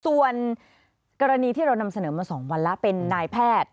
ส่วนกรณีที่เรานำเสนอมา๒วันแล้วเป็นนายแพทย์